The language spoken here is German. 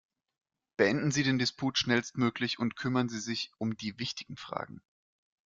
Beenden Sie den Disput schnellstmöglich und kümmern Sie sich um die wichtigen Fragen.